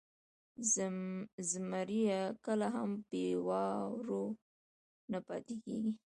زمهریر کله هم بې واورو نه پاتې کېږي.